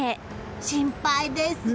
心配です。